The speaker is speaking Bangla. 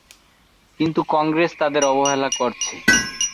কিন্তু কংগ্রেস তাঁদের অবহেলা করেছে।